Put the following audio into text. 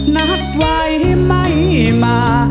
นัดไว้ไม่มา